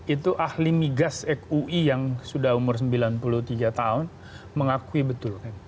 itu ahli migas kui yang sudah umur sembilan puluh tiga tahun mengakui betul